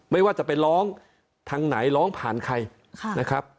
ไม่ว่าจะไปร้องทางไหนร้องผ่านใครนะครับ